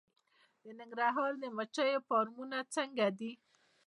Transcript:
د ننګرهار د مچیو فارمونه څنګه دي؟